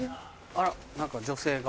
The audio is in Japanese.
あら何か女性が。